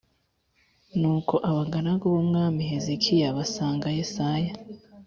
Nuko abagaragu b Umwami Hezekiya basanga Yesaya